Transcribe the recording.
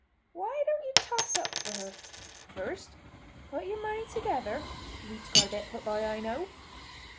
Why don't ye toss up for her? First put your money together—ye've each got a bit put by, I know.